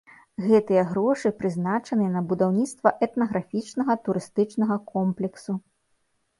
Гэтыя грошы прызначаныя на будаўніцтва этнаграфічнага турыстычнага комплексу.